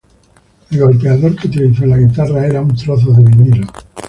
El golpeador que utilizó en la guitarra era un trozo de vinilo.